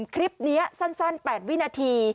คลิปนี้สั้น๘วินาที